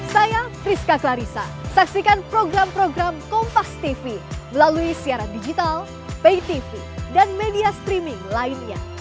saya rizka klarisa saksikan program program kompastv melalui siaran digital paytv dan media streaming lainnya